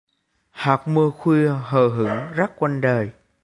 Hạt mưa khuya hờ hững rắc quanh đời